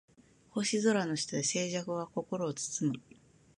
星空の下で静寂が心を包む